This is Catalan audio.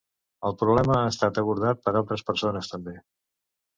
El problema ha estat abordat per altres persones també.